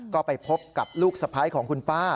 ก็ไปพบกับลูกสะพ้ายของคุณป้า